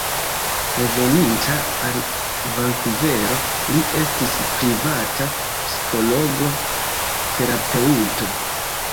Reveninta al Vankuvero li estis privata psikologo-terapeuto.